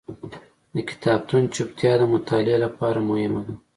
د کتابتون چوپتیا د مطالعې لپاره مهمه ده.